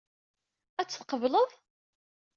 Ad t-tqebleḍ?